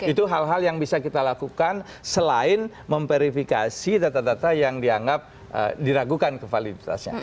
itu hal hal yang bisa kita lakukan selain memverifikasi data data yang dianggap diragukan kevaliditasnya